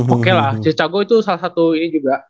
oke lah cicago itu salah satu ini juga